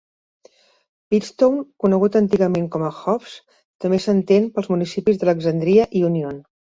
Pittstown, conegut antigament com a Hoffs, també s'estén pels municipis d'Alexandria i Union.